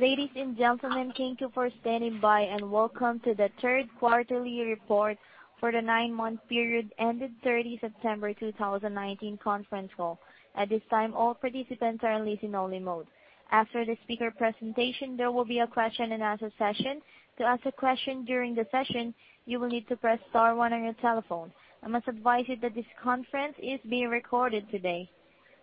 Ladies and gentlemen, thank you for standing by, welcome to the third quarterly report for the nine-month period ended 30 September 2019 conference call. At this time, all participants are in listen-only mode. After the speaker presentation, there will be a question and answer session. To ask a question during the session, you will need to press star one on your telephone. I must advise you that this conference is being recorded today,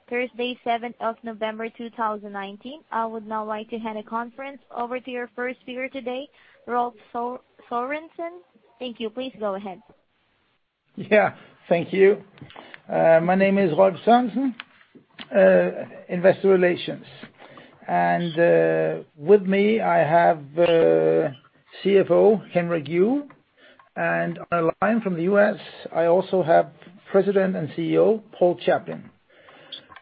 Thursday, 7th of November 2019. I would now like to hand the conference over to your first speaker today, Rolf Sørensen. Thank you. Please go ahead. Yeah, thank you. My name is Rolf Sørensen, Investor Relations. With me, I have CFO Henrik Juuel, and on the line from the U.S., I also have President and CEO Paul Chaplin.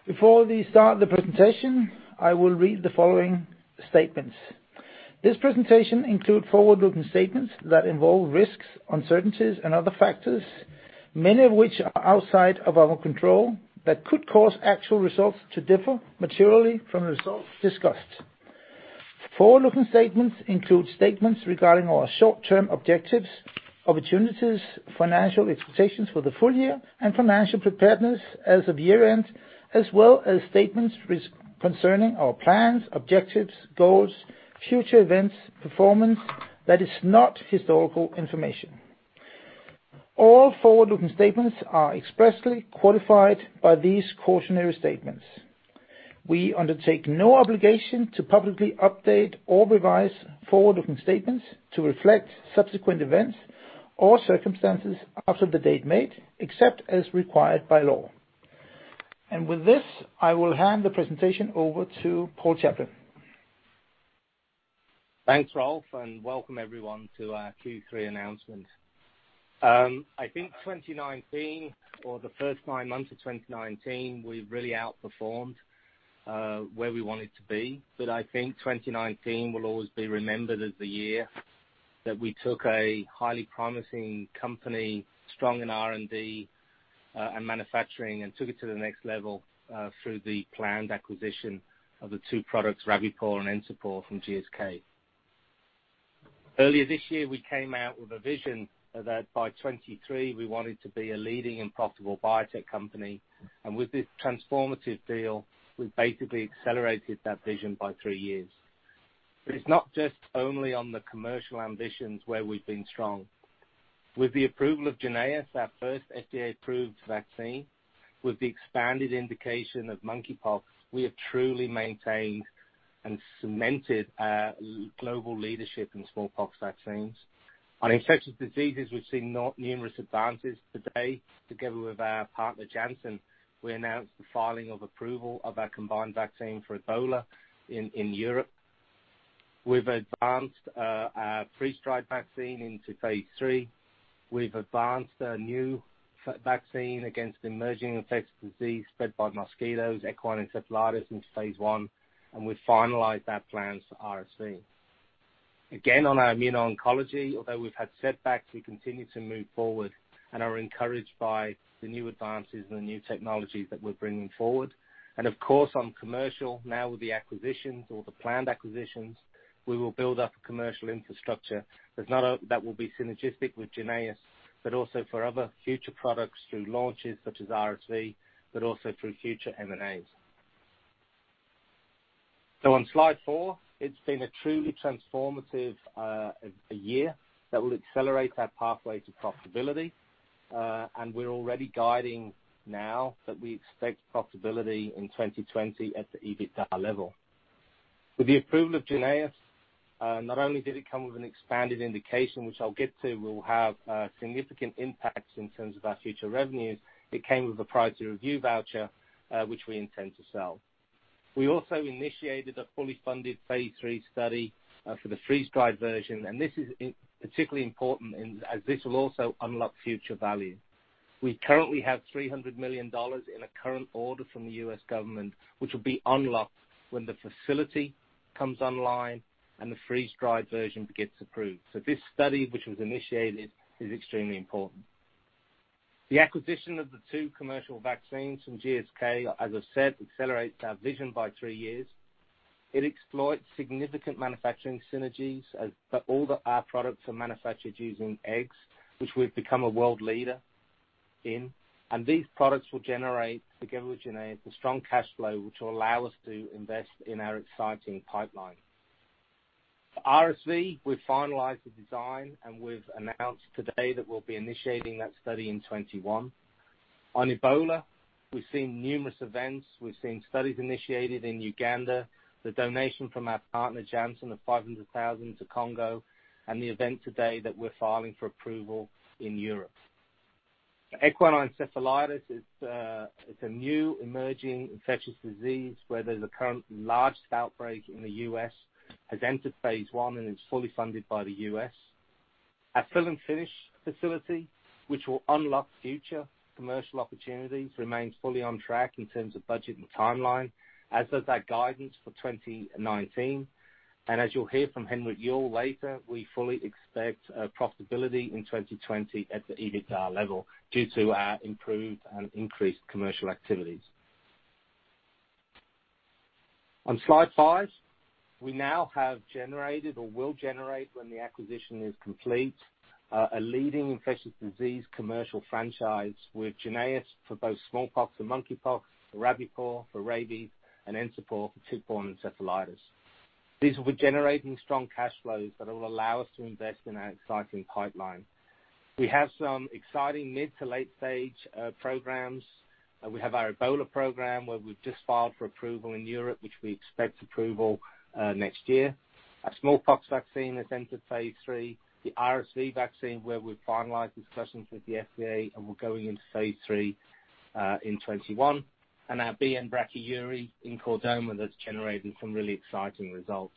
Before we start the presentation, I will read the following statements. This presentation include forward-looking statements that involve risks, uncertainties, and other factors, many of which are outside of our control, that could cause actual results to differ materially from the results discussed. Forward-looking statements include statements regarding our short-term objectives, opportunities, financial expectations for the full year, and financial preparedness as of year-end, as well as statements concerning our plans, objectives, goals, future events, performance, that is not historical information. All forward-looking statements are expressly qualified by these cautionary statements. We undertake no obligation to publicly update or revise forward-looking statements to reflect subsequent events or circumstances after the date made, except as required by law. With this, I will hand the presentation over to Paul Chaplin. Thanks, Rolf, and welcome everyone to our Q3 announcement. I think 2019, or the first nine months of 2019, we've really outperformed where we wanted to be. I think 2019 will always be remembered as the year that we took a highly promising company, strong in R&D, and manufacturing, and took it to the next level through the planned acquisition of the two products, Rabipur and Encepur, from GSK. Earlier this year, we came out with a vision that by 2023, we wanted to be a leading and profitable biotech company. With this transformative deal, we've basically accelerated that vision by three years. It's not just only on the commercial ambitions where we've been strong. With the approval of JYNNEOS, our first FDA-approved vaccine, with the expanded indication of monkeypox, we have truly maintained and cemented our global leadership in smallpox vaccines. On infectious diseases, we've seen numerous advances. Today, together with our partner, Janssen, we announced the filing of approval of our combined vaccine for Ebola in Europe. We've advanced our freeze-dried vaccine into phase III. We've advanced a new vaccine against emerging infectious disease spread by mosquitoes, equine encephalitis, into phase I. We've finalized our plans for RSV. Again, on our immune oncology, although we've had setbacks, we continue to move forward and are encouraged by the new advances and the new technologies that we're bringing forward. Of course, on commercial, now with the acquisitions or the planned acquisitions, we will build up a commercial infrastructure that will be synergistic with JYNNEOS, but also for other future products through launches such as RSV, but also through future M&As. On Slide four, it's been a truly transformative year that will accelerate our pathway to profitability, and we're already guiding now that we expect profitability in 2020 at the EBITDA level. With the approval of JYNNEOS, not only did it come with an expanded indication, which I'll get to, will have significant impacts in terms of our future revenues, it came with a priority review voucher, which we intend to sell. We also initiated a fully funded phase III study for the freeze-dried version. This is particularly important as this will also unlock future value. We currently have $300 million in a current order from the U.S. government, which will be unlocked when the facility comes online and the freeze-dried version gets approved. This study, which was initiated, is extremely important. The acquisition of the two commercial vaccines from GSK, as I said, accelerates our vision by three years. It exploits significant manufacturing synergies. All of our products are manufactured using eggs, which we've become a world leader in. These products will generate, together with JYNNEOS, a strong cash flow, which will allow us to invest in our exciting pipeline. For RSV, we've finalized the design. We've announced today that we'll be initiating that study in 2021. On Ebola, we've seen numerous events. We've seen studies initiated in Uganda, the donation from our partner, Janssen, of 500,000 to Congo. The event today that we're filing for approval in Europe. Equine encephalitis is, it's a new emerging infectious disease, where there's a current large outbreak in the U.S., has entered phase I and is fully funded by the U.S. Our fill-and-finish facility, which will unlock future commercial opportunities, remains fully on track in terms of budget and timeline, as does our guidance for 2019. As you'll hear from Henrik Juuel later, we fully expect profitability in 2020 at the EBITDA level due to our improved and increased commercial activities. On Slide five, we now have generated or will generate, when the acquisition is complete, a leading infectious disease commercial franchise with JYNNEOS for both smallpox and monkeypox, Rabipur for rabies, and Encepur for tick-borne encephalitis. These will be generating strong cash flows that will allow us to invest in our exciting pipeline. We have some exciting mid to late stage programs. We have our Ebola program, where we've just filed for approval in Europe, which we expect approval next year. Our smallpox vaccine has entered phase III. The RSV vaccine, where we've finalized discussions with the FDA, and we're going into phase III in 2021. Our BN-Brachyury in chordoma that's generating some really exciting results.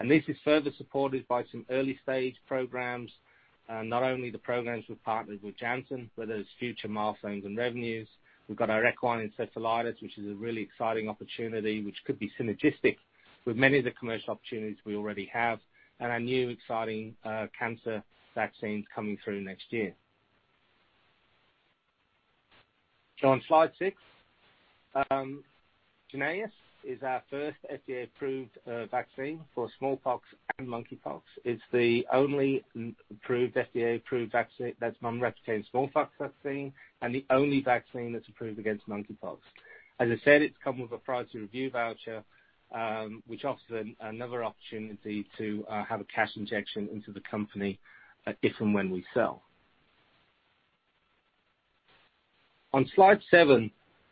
This is further supported by some early stage programs, not only the programs we've partnered with Janssen, but there's future milestones and revenues. We've got our equine encephalitis, which is a really exciting opportunity, which could be synergistic with many of the commercial opportunities we already have, and our new exciting, cancer vaccines coming through next year. On Slide six, JYNNEOS is our first FDA-approved vaccine for smallpox and monkeypox. It's the only approved, FDA-approved vaccine that's unreplicated smallpox vaccine and the only vaccine that's approved against monkeypox. As I said, it's come with a priority review voucher, which offers another opportunity to have a cash injection into the company, if and when we sell. On Slide seven,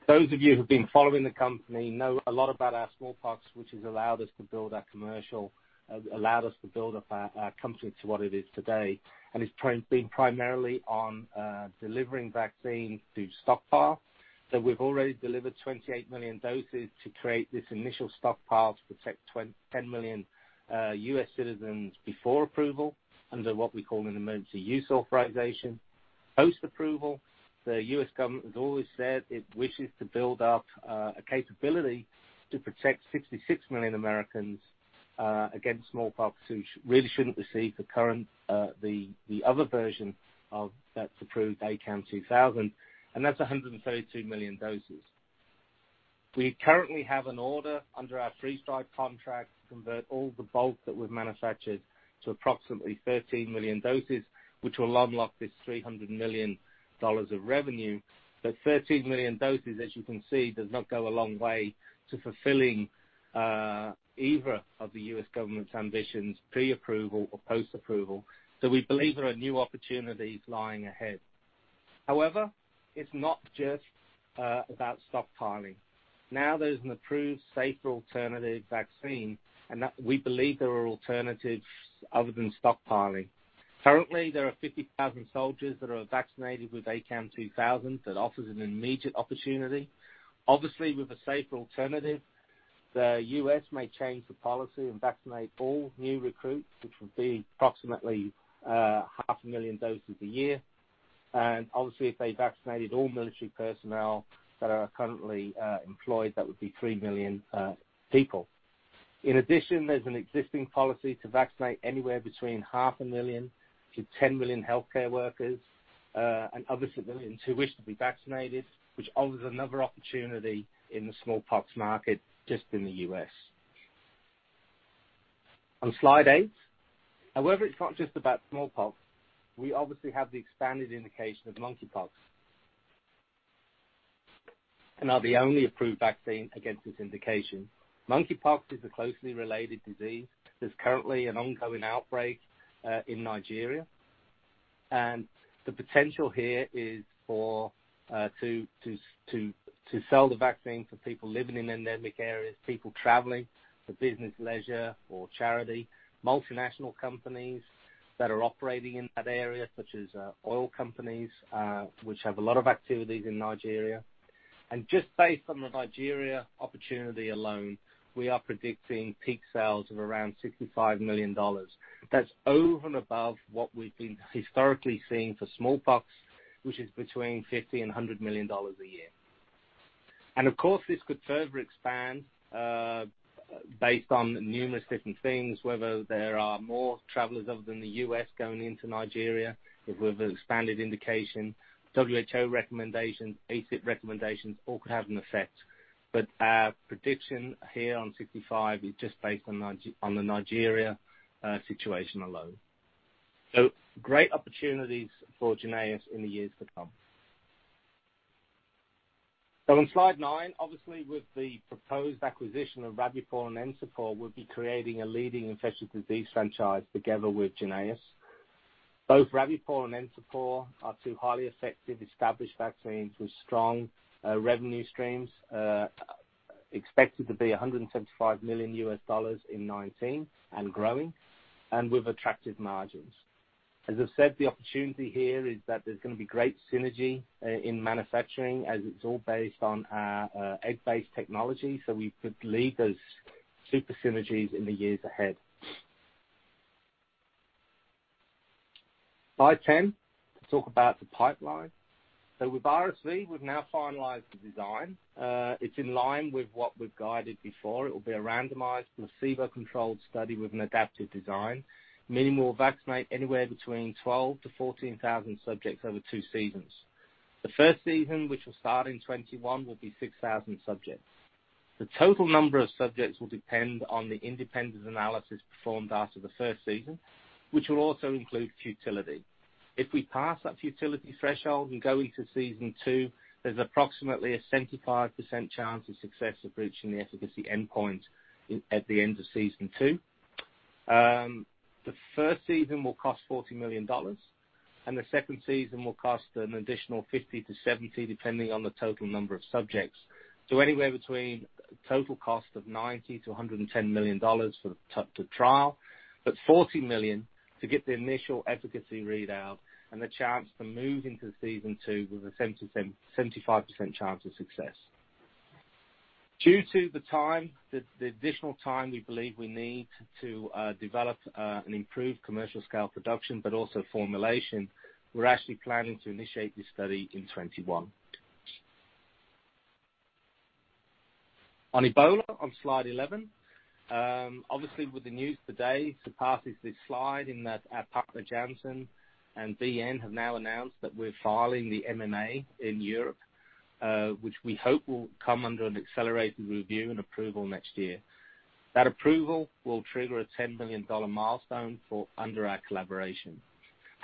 those of you who've been following the company know a lot about our smallpox, which has allowed us to build our commercial, allowed us to build up our company to what it is today, and it's been primarily on delivering vaccine through stockpile. We've already delivered 28 million doses to create this initial stockpile to protect 10 million U.S. citizens before approval, under what we call an Emergency Use Authorization. Post-approval, the U.S. government has always said it wishes to build up a capability to protect 66 million Americans against smallpox, who really shouldn't receive the current, the other version of, that's approved, ACAM2000, and that's 132 million doses. We currently have an order under our pre-strike contract to convert all the bulk that we've manufactured to approximately 13 million doses, which will unlock this $300 million of revenue. 13 million doses, as you can see, does not go a long way to fulfilling either of the U.S. government's ambitions, pre-approval or post-approval. We believe there are new opportunities lying ahead. It's not just about stockpiling. Now there's an approved, safer alternative vaccine, we believe there are alternatives other than stockpiling. Currently, there are 50,000 soldiers that are vaccinated with ACAM2000. That offers an immediate opportunity. Obviously, with a safer alternative, the U.S. may change the policy and vaccinate all new recruits, which would be approximately 500,000 doses a year. Obviously, if they vaccinated all military personnel that are currently employed, that would be three million people. In addition, there's an existing policy to vaccinate anywhere between 0.5 million-10 million healthcare workers, and obviously the millions who wish to be vaccinated, which offers another opportunity in the smallpox market just in the U.S. On Slide eight, however, it's not just about smallpox. We obviously have the expanded indication of monkeypox, and are the only approved vaccine against this indication. Monkeypox is a closely related disease. There's currently an ongoing outbreak in Nigeria, and the potential here is to sell the vaccine to people living in endemic areas, people traveling for business, leisure, or charity, multinational companies that are operating in that area, such as oil companies, which have a lot of activities in Nigeria. Just based on the Nigeria opportunity alone, we are predicting peak sales of around $65 million. That's over and above what we've been historically seeing for smallpox, which is between $50 million and $100 million a year. Of course, this could further expand, based on numerous different things, whether there are more travelers other than the U.S. going into Nigeria, with an expanded indication, WHO recommendations, ACIP recommendations, all could have an effect. Our prediction here on 65 is just based on the Nigeria situation alone. Great opportunities for JYNNEOS in the years to come. On Slide nine, obviously with the proposed acquisition of Rabipur and Encepur, we'll be creating a leading infectious disease franchise together with JYNNEOS. Both Rabipur and Encepur are two highly effective, established vaccines with strong revenue streams, expected to be $175 million in 2019 and growing, and with attractive margins. As I've said, the opportunity here is that there's gonna be great synergy in manufacturing, as it's all based on our egg-based technology, so we could leverage those super synergies in the years ahead. Slide 10, to talk about the pipeline. With RSV, we've now finalized the design. It's in line with what we've guided before. It will be a randomized, placebo-controlled study with an adaptive design, meaning we'll vaccinate anywhere between 12,000-14,000 subjects over two seasons. The first season, which will start in 2021, will be 6,000 subjects. The total number of subjects will depend on the independent analysis performed after the first season, which will also include futility. If we pass that futility threshold and go into season two, there's approximately a 75% chance of success of reaching the efficacy endpoint at the end of season two. The first season will cost $40 million, and the second season will cost an additional $50 million-$70 million, depending on the total number of subjects. Anywhere between total cost of $90 million-$110 million for the trial, but $40 million to get the initial efficacy readout and the chance to move into season two with a 75% chance of success. Due to the additional time we believe we need to develop an improved commercial scale production, but also formulation, we're actually planning to initiate this study in 2021. On Ebola, on Slide 11, obviously, with the news today, surpasses this slide in that our partner, Janssen and BN, have now announced that we're filing the MAA in Europe, which we hope will come under an accelerated review and approval next year. That approval will trigger a $10 million milestone for under our collaboration.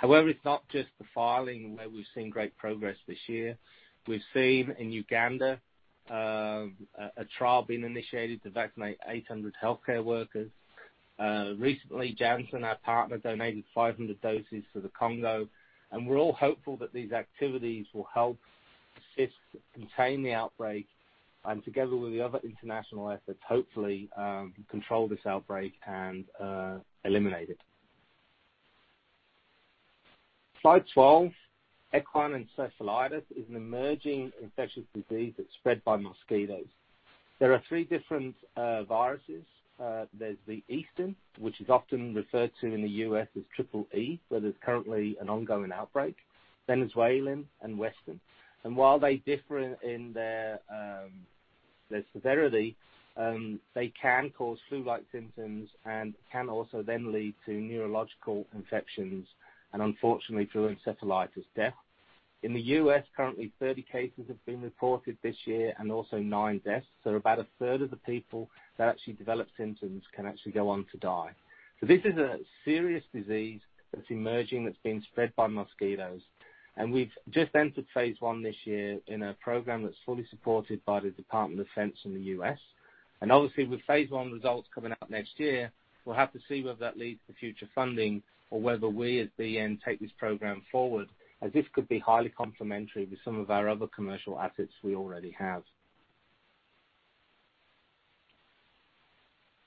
It's not just the filing where we've seen great progress this year. We've seen in Uganda, a trial being initiated to vaccinate 800 healthcare workers. Recently, Janssen, our partner, donated 500 doses to the Congo, we're all hopeful that these activities will help assist contain the outbreak and together with the other international efforts, hopefully, control this outbreak and eliminate it. Slide 12. Equine encephalitis is an emerging infectious disease that's spread by mosquitoes. There are three different viruses. There's the Eastern, which is often referred to in the U.S. as Triple E, where there's currently an ongoing outbreak, Venezuelan and Western. While they differ in their severity, they can cause flu-like symptoms and can also then lead to neurological infections, and unfortunately, through encephalitis, death. In the U.S., currently, 30 cases have been reported this year, also nine deaths. About a third of the people that actually develop symptoms can actually go on to die. This is a serious disease that's emerging, that's being spread by mosquitoes, and we've just entered phase I this year in a program that's fully supported by the Department of Defense in the U.S. Obviously, with phase I results coming out next year, we'll have to see whether that leads to future funding or whether we, as BN, take this program forward, as this could be highly complementary with some of our other commercial assets we already have.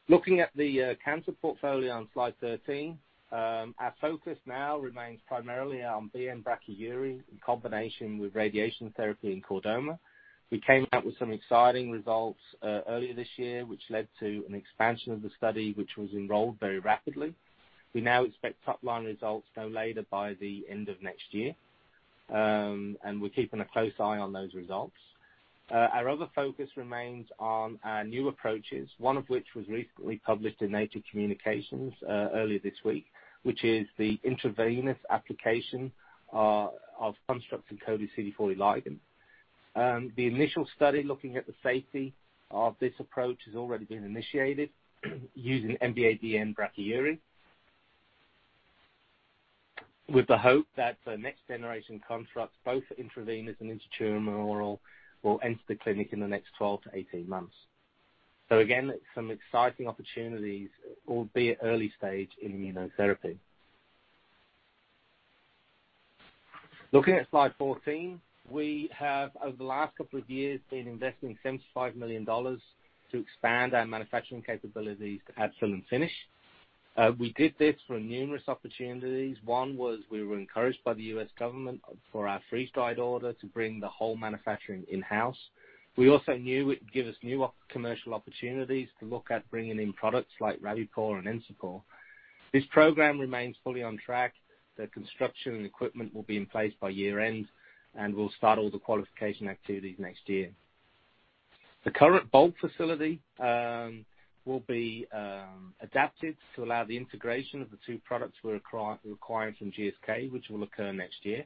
Looking at the cancer portfolio on Slide 13, our focus now remains primarily on BN-Brachyury in combination with radiation therapy in chordoma. We came out with some exciting results earlier this year, which led to an expansion of the study, which was enrolled very rapidly. We now expect top-line results no later by the end of next year. We're keeping a close eye on those results. Our other focus remains on our new approaches, one of which was recently published in Nature Communications earlier this week, which is the intravenous application of constructs encoding CD40 ligand. The initial study looking at the safety of this approach has already been initiated using MVA-BN Brachyury, with the hope that the next generation constructs, both intravenous and intratumoral, will enter the clinic in the next 12 to 18 months. Again, some exciting opportunities, albeit early stage, in immunotherapy. Looking at Slide 14, we have, over the last couple of years, been investing $75 million to expand our manufacturing capabilities at fill-and-finish. We did this for numerous opportunities. One was we were encouraged by the U.S. government for our freeze-dried order to bring the whole manufacturing in-house. We also knew it would give us new commercial opportunities to look at bringing in products like Rabipur and Encepur. This program remains fully on track. The construction and equipment will be in place by year-end, and we'll start all the qualification activities next year. The current bulk facility will be adapted to allow the integration of the two products we're requiring from GSK, which will occur next year.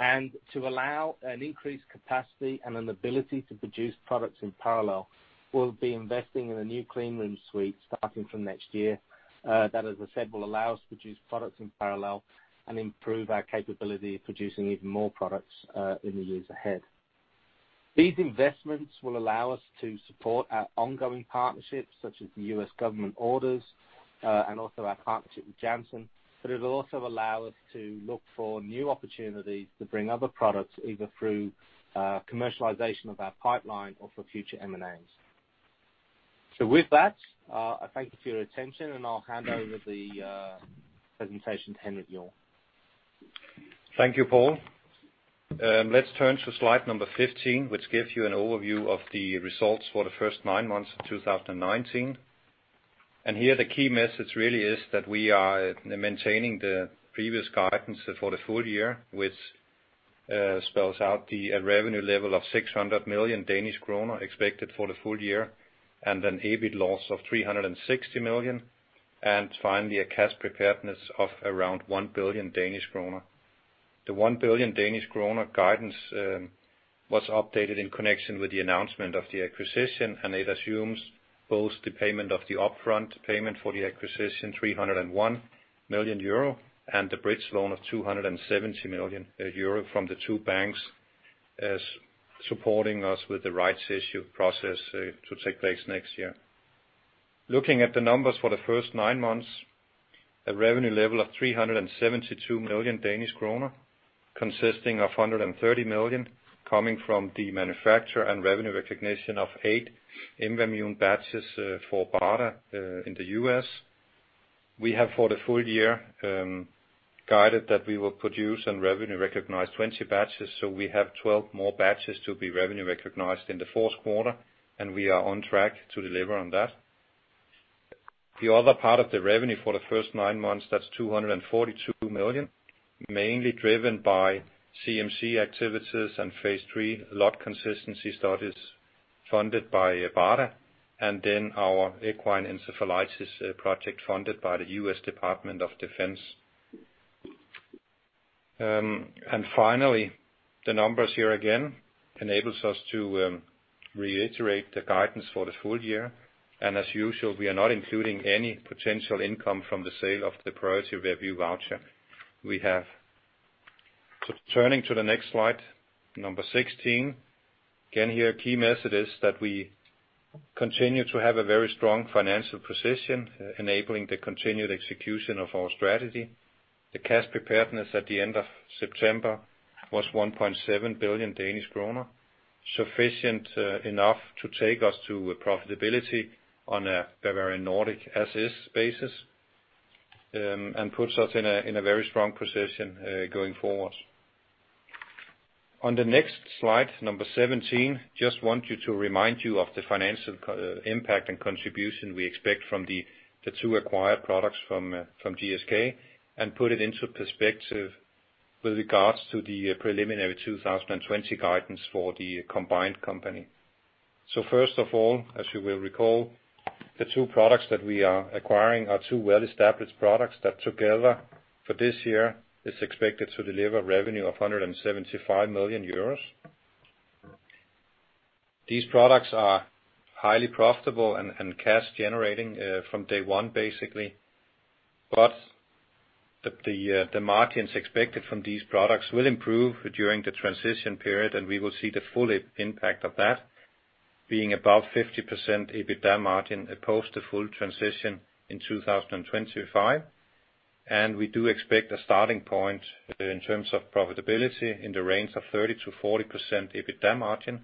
To allow an increased capacity and an ability to produce products in parallel, we'll be investing in a new clean room suite starting from next year. That, as I said, will allow us to produce products in parallel and improve our capability of producing even more products in the years ahead. These investments will allow us to support our ongoing partnerships, such as the U.S. government orders, and also our partnership with Janssen, but it will also allow us to look for new opportunities to bring other products, either through commercialization of our pipeline or for future M&As. With that, I thank you for your attention, and I'll hand over the presentation to Henrik Juuel. Thank you, Paul. Let's turn to slide number 15, which gives you an overview of the results for the first nine months of 2019. The key message really is that we are maintaining the previous guidance for the full year, which spells out the revenue level of 600 million Danish kroner expected for the full year, and an EBIT loss of 360 million. Finally, a cash preparedness of around 1 billion Danish kroner. The 1 billion Danish kroner guidance was updated in connection with the announcement of the acquisition. It assumes both the payment of the upfront payment for the acquisition, 301 million euro, and the bridge loan of 270 million euro from the two banks as supporting us with the rights issue process to take place next year. Looking at the numbers for the first nine months, a revenue level of 372 million Danish kroner, consisting of 130 million, coming from the manufacture and revenue recognition of eight Imvamune batches for BARDA in the U.S. We have, for the full year, guided that we will produce and revenue recognize 20 batches, so we have 12 more batches to be revenue recognized in the fourth quarter, and we are on track to deliver on that. The other part of the revenue for the first nine months, that's 242 million, mainly driven by CMC activities and Phase III lot consistency studies funded by BARDA, and then our equine encephalitis project funded by the U.S. Department of Defense. Finally, the numbers here, again, enables us to reiterate the guidance for the full year, and as usual, we are not including any potential income from the sale of the priority review voucher we have. Turning to the next slide, number 16. Here, a key message is that we continue to have a very strong financial position, enabling the continued execution of our strategy. The cash preparedness at the end of September was 1.7 billion Danish kroner, sufficient enough to take us to profitability on a Bavarian Nordic as-is basis, and puts us in a very strong position going forward. On the next slide, number 17, just want you to remind you of the financial impact and contribution we expect from the two acquired products from GSK and put it into perspective with regards to the preliminary 2020 guidance for the combined company. First of all, as you will recall, the two products that we are acquiring are two well-established products that together, for this year, is expected to deliver revenue of 175 million euros. These products are highly profitable and cash generating from day one, basically. The margins expected from these products will improve during the transition period, and we will see the full impact of that being above 50% EBITDA margin post the full transition in 2025. We do expect a starting point in terms of profitability in the range of 30%-40% EBITDA margin.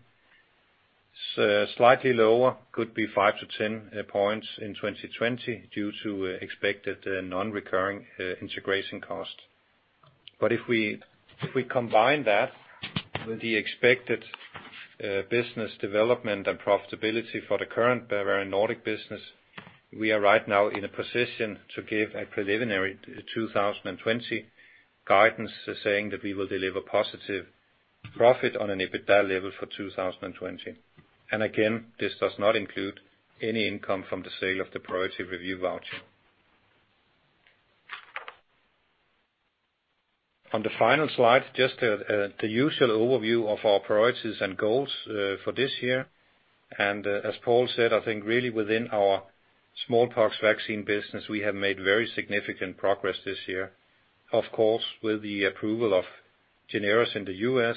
Slightly lower, could be five to 10 points in 2020 due to expected non-recurring integration costs. If we combine that with the expected business development and profitability for the current Bavarian Nordic business, we are right now in a position to give a preliminary 2020 guidance, saying that we will deliver positive profit on an EBITDA level for 2020. Again, this does not include any income from the sale of the priority review voucher. On the final slide, just the usual overview of our priorities and goals for this year. As Paul said, I think really within our smallpox vaccine business, we have made very significant progress this year. Of course, with the approval of JYNNEOS in the U.S.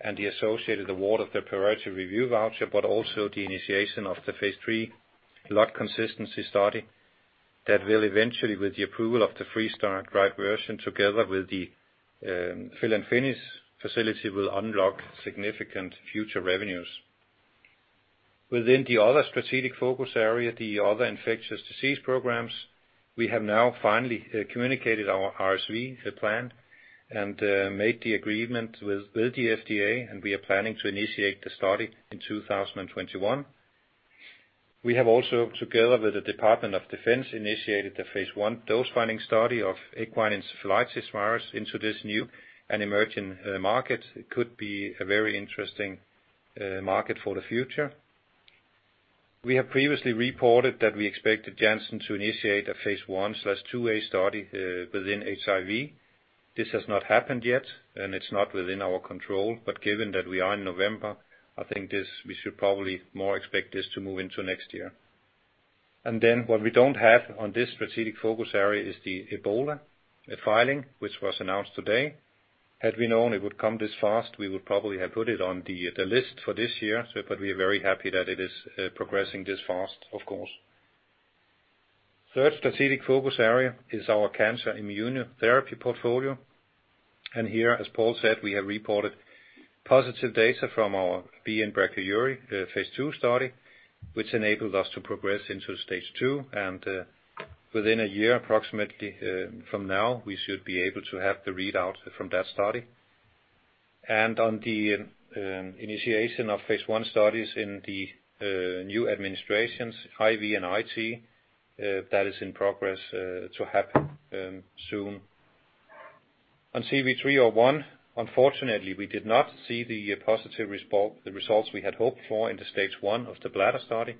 and the associated award of the priority review voucher, but also the initiation of the phase III lot consistency study, that will eventually, with the approval of the freeze-dried version, together with the fill and finish facility, will unlock significant future revenues. Within the other strategic focus area, the other infectious disease programs, we have now finally communicated our RSV plan and made the agreement with the FDA, and we are planning to initiate the study in 2021. We have also, together with the Department of Defense, initiated the phase I dose-finding study of equine encephalitis virus into this new and emerging market. It could be a very interesting market for the future. We have previously reported that we expected Janssen to initiate a phase I/II study within HIV. This has not happened yet, and it's not within our control. Given that we are in November, I think we should probably more expect this to move into next year. What we don't have on this strategic focus area is the Ebola filing, which was announced today. Had we known it would come this fast, we would probably have put it on the list for this year, but we are very happy that it is progressing this fast, of course. Third strategic focus area is our cancer immune therapy portfolio. Here, as Paul said, we have reported positive data from our BN-Brachyury phase II study, which enabled us to progress into stage II, and within a year, approximately, from now, we should be able to have the readout from that study. On the initiation of phase I studies in the new administrations, IV and IT, that is in progress to happen soon. On CV301, unfortunately, we did not see the positive result, the results we had hoped for in the stage one of the bladder study,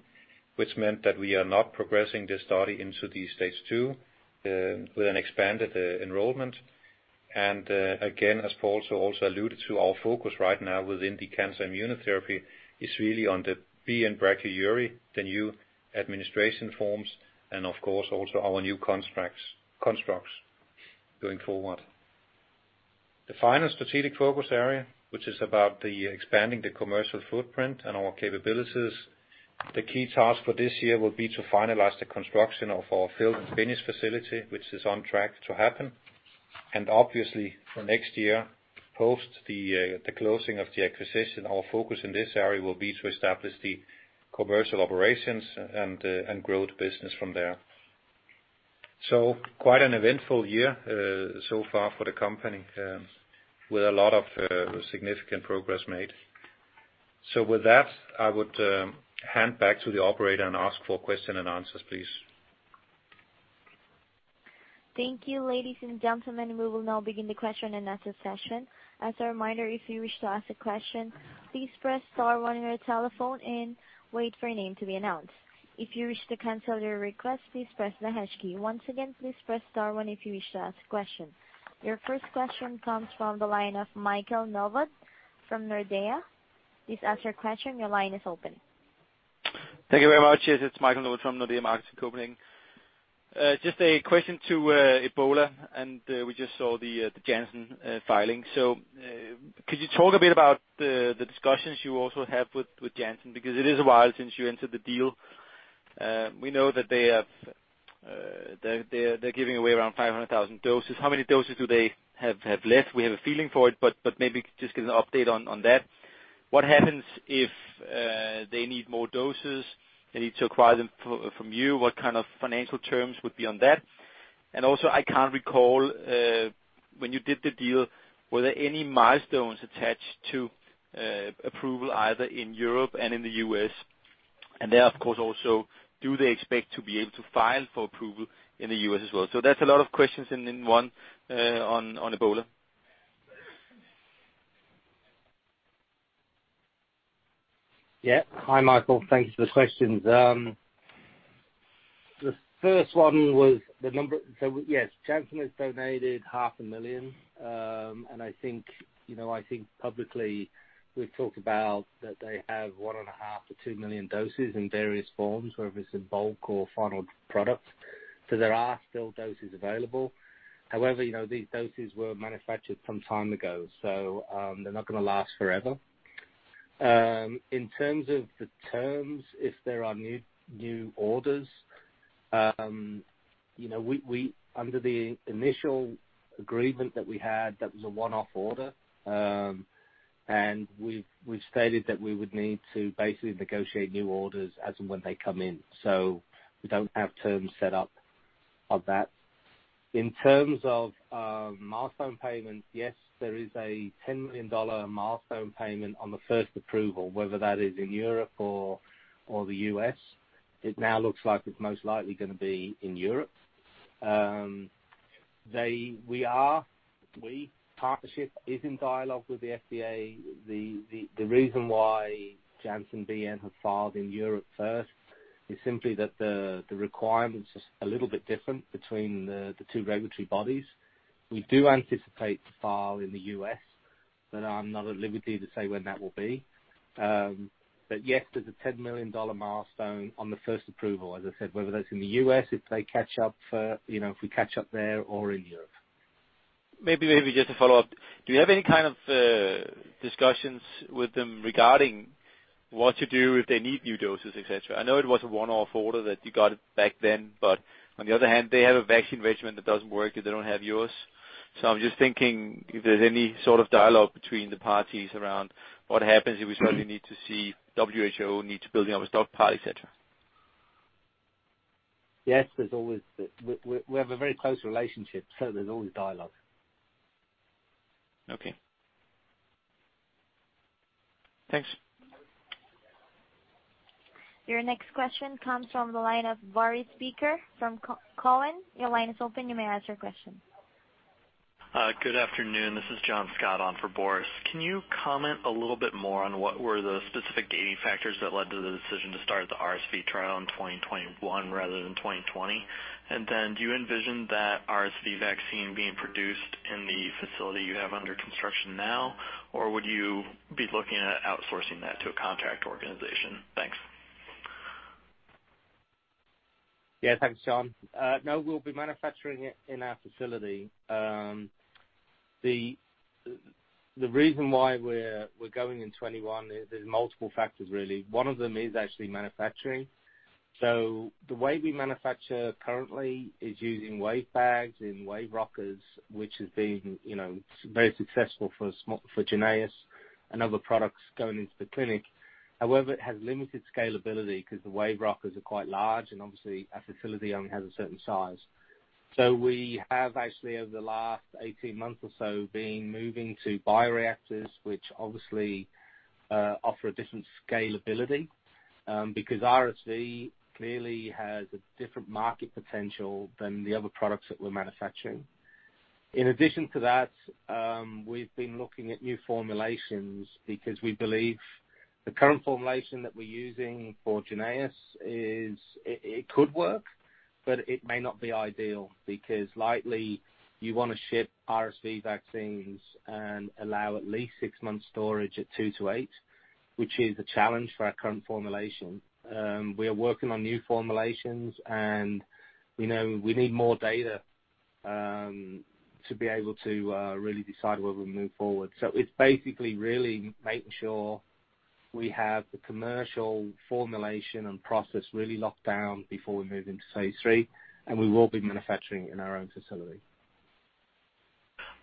which meant that we are not progressing this study into the stage two with an expanded enrollment. Again, as Paul also alluded to, our focus right now within the cancer immunotherapy is really on the BN-Brachyury, the new administration forms, and of course, also our new constructs going forward. The final strategic focus area, which is about the expanding the commercial footprint and our capabilities. The key task for this year will be to finalize the construction of our fill-and-finish facility, which is on track to happen. Obviously, for next year, post the closing of the acquisition, our focus in this area will be to establish the commercial operations and grow the business from there. Quite an eventful year so far for the company, with a lot of significant progress made. With that, I would hand back to the operator and ask for question and answers, please. Thank you, ladies and gentlemen. We will now begin the question-and-answer session. As a reminder, if you wish to ask a question, please press star one on your telephone and wait for your name to be announced. If you wish to cancel your request, please press the hash key. Once again, please press star one if you wish to ask a question. Your first question comes from the line of Michael Novod from Nordea. Please ask your question. Your line is open. Thank you very much. Yes, it's Michael Novod from Nordea Markets in Copenhagen. Just a question to Ebola, we just saw the Janssen filing. Could you talk a bit about the discussions you also have with Janssen? Because it is a while since you entered the deal. We know that they're giving away around 500,000 doses. How many doses do they have left? We have a feeling for it, but maybe just give an update on that. What happens if they need more doses, they need to acquire them from you? What kind of financial terms would be on that? I can't recall, when you did the deal, were there any milestones attached to approval, either in Europe and in the U.S.? Of course, also, do they expect to be able to file for approval in the U.S. as well? That's a lot of questions in one, on Ebola. Hi, Michael. Thank you for the questions. The first one was the number. Yes, Janssen has donated half a million. I think, you know, I think publicly, we've talked about that they have one and a half to two million doses in various forms, whether it's in bulk or final product. There are still doses available. However, you know, these doses were manufactured some time ago, they're not gonna last forever. In terms of the terms, if there are new orders, you know, Under the initial agreement that we had, that was a one-off order. We've, we've stated that we would need to basically negotiate new orders as and when they come in, we don't have terms set up of that. In terms of milestone payments, yes, there is a $10 million milestone payment on the first approval, whether that is in Europe or the U.S. It now looks like it's most likely gonna be in Europe. We, the partnership, is in dialogue with the FDA. The reason why Janssen BN have filed in Europe first is simply that the requirement is just a little bit different between the two regulatory bodies. We do anticipate to file in the U.S., but I'm not at liberty to say when that will be. But yes, there's a $10 million milestone on the first approval, as I said, whether that's in the U.S., if they catch up for, you know, if we catch up there or in Europe. Maybe just a follow-up. Do you have any kind of discussions with them regarding what to do if they need new doses, et cetera? I know it was a one-off order that you got it back then, but on the other hand, they have a vaccine regimen that doesn't work if they don't have yours. I'm just thinking if there's any sort of dialogue between the parties around what happens if we suddenly need WHO to build up a stock pile, et cetera. Yes, we have a very close relationship, so there's always dialogue. Okay. Thanks. Your next question comes from the line of Boris Peaker from Cowen. Your line is open. You may ask your question. Good afternoon. This is John Scott on for Boris. Can you comment a little bit more on what were the specific gating factors that led to the decision to start the RSV trial in 2021 rather than 2020? Do you envision that RSV vaccine being produced in the facility you have under construction now, or would you be looking at outsourcing that to a contract organization? Thanks. Yeah. Thanks, John. No, we'll be manufacturing it in our facility. The reason why we're going in 2021 is there's multiple factors, really. One of them is actually manufacturing. The way we manufacture currently is using wave bags and wave rockers, which has been, you know, very successful for JYNNEOS and other products going into the clinic. However, it has limited scalability because the wave rockers are quite large, and obviously, our facility only has a certain size. We have actually, over the last 18 months or so, been moving to bioreactors, which obviously offer a different scalability. Because RSV clearly has a different market potential than the other products that we're manufacturing. In addition to that, we've been looking at new formulations because we believe the current formulation that we're using for JYNNEOS is, it could work, but it may not be ideal because likely you wanna ship RSV vaccines and allow at least six months storage at two to eight, which is a challenge for our current formulation. We are working on new formulations, and we know we need more data to be able to really decide whether we move forward. It's basically really making sure we have the commercial formulation and process really locked down before we move into phase III, and we will be manufacturing in our own facility.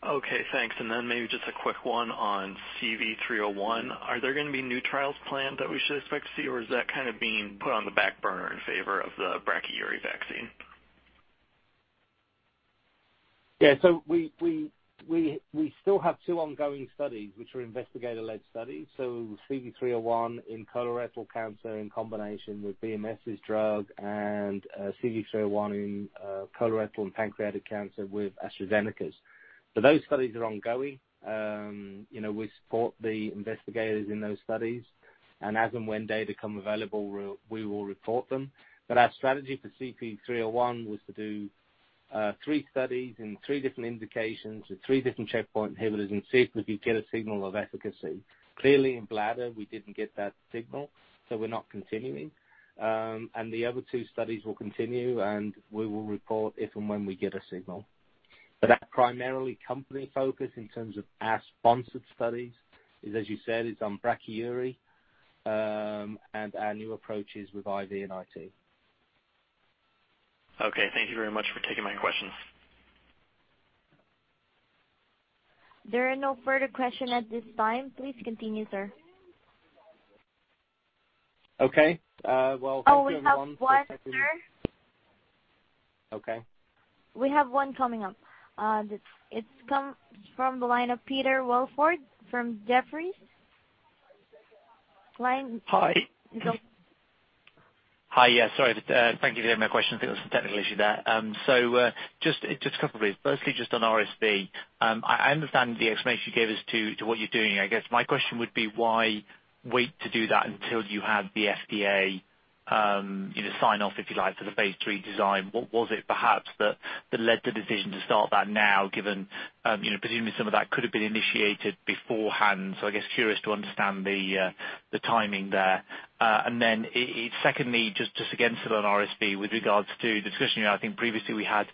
Okay, thanks. Maybe just a quick one on CV301. Are there going to be new trials planned that we should expect to see, or is that kind of being put on the back burner in favor of the brachyury vaccine? Yeah, we still have two ongoing studies, which are investigator-led studies. CV301 in colorectal cancer in combination with BMS's drug and CV301 in colorectal and pancreatic cancer with AstraZeneca's. Those studies are ongoing. You know, we support the investigators in those studies, and as and when they become available, we will report them. Our strategy for CV301 was to do three studies in three different indications with three different checkpoint inhibitors and see if we could get a signal of efficacy. Clearly, in bladder, we didn't get that signal, so we're not continuing. The other two studies will continue, and we will report if and when we get a signal. Our primarily company focus, in terms of our sponsored studies, is, as you said, is on Brachyury, and our new approaches with IV and IT. Okay. Thank you very much for taking my questions. There are no further question at this time. Please continue, sir. Okay, well, thank you everyone. Oh, we have one, sir. Okay. We have one coming up. It comes from the line of Peter Welford from Jefferies. Hi. Go- Hi. Yeah, sorry, but thank you for taking my question. I think there was a technical issue there. Just a couple of things. Firstly, just on RSV, I understand the explanation you gave us to what you're doing. I guess my question would be, why wait to do that until you have the FDA, you know, sign off, if you like, for the phase III design? What was it perhaps that led the decision to start that now, given, you know, presumably some of that could have been initiated beforehand. I guess curious to understand the timing there. Secondly, just again, sort of on RSV, with regards to the discussion, I think previously we had,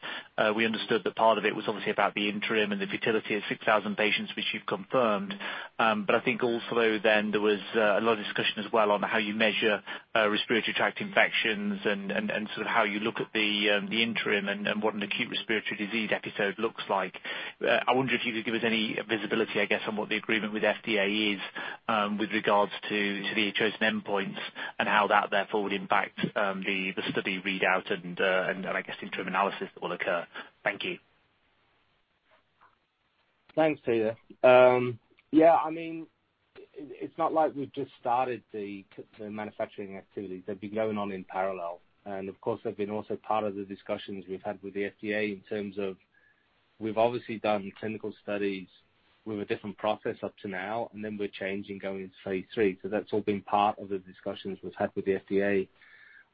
we understood that part of it was obviously about the interim and the futility of 6,000 patients, which you've confirmed. I think also then there was a lot of discussion as well on how you measure respiratory tract infections and sort of how you look at the interim and what an acute respiratory disease episode looks like. I wonder if you could give us any visibility, I guess, on what the agreement with FDA is, with regards to the chosen endpoints and how that therefore would impact the study readout and I guess, interim analysis that will occur? Thank you. Thanks, Peter. Yeah, I mean, it's not like we've just started the manufacturing activities. They've been going on in parallel, of course, they've been also part of the discussions we've had with the FDA in terms of we've obviously done clinical studies with a different process up to now, then we're changing, going to phase III. That's all been part of the discussions we've had with the FDA.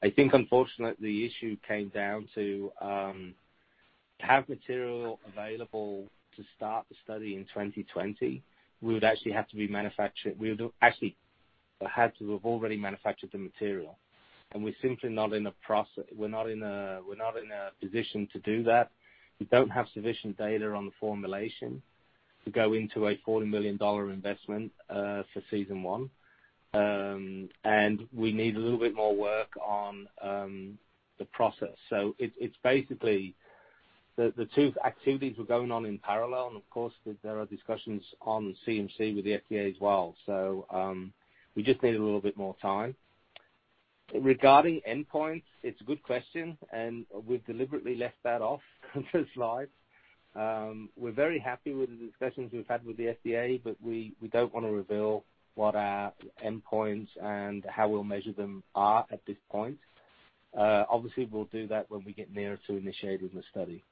I think unfortunately, the issue came down to have material available to start the study in 2020, we would actually had to have already manufactured the material. We're simply not in a position to do that. We don't have sufficient data on the formulation to go into a $40 million investment for season one. We need a little bit more work on the process. It's basically the two activities were going on in parallel. Of course, there are discussions on CMC with the FDA as well. We just need a little bit more time. Regarding endpoints, it's a good question. We've deliberately left that off the slide. We're very happy with the discussions we've had with the FDA, but we don't want to reveal what our endpoints and how we'll measure them are at this point. Obviously, we'll do that when we get nearer to initiating the study.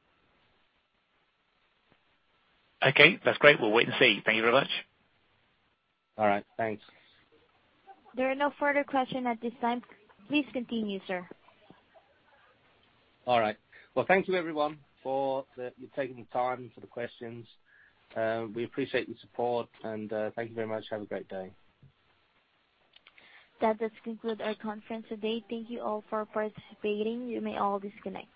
Okay, that's great. We'll wait and see. Thank you very much. All right, thanks. There are no further question at this time. Please continue, sir. All right. Well, thank you everyone, for taking the time for the questions. We appreciate the support, and thank you very much. Have a great day. That does conclude our conference today. Thank you all for participating. You may all disconnect.